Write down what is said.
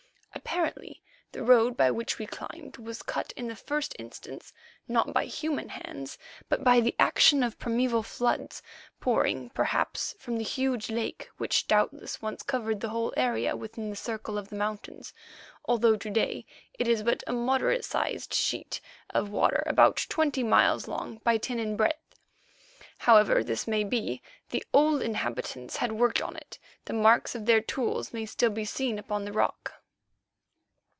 Apparently the road by which we climbed was cut in the first instance, not by human hands, but by the action of primæval floods, pouring, perhaps, from the huge lake which doubtless once covered the whole area within the circle of the mountains, although to day it is but a moderate sized sheet of water, about twenty miles long by ten in breadth. However this may be, the old inhabitants had worked on it, the marks of their tools may still be seen upon the rock.